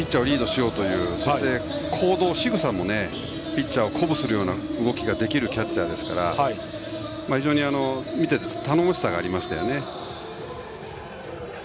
必死になんとかピッチャーをリードしようという行動、しぐさがピッチャーを鼓舞するような動きができるキャッチャーですから非常に見ていて、頼もしさがありましたよね。